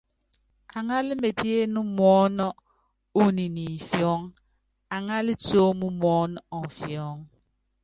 Aŋalá mepién muɔn uniɛ ni imfiɔ́ŋ, aŋalá tióm muɔ́n ɔmfiɔŋ.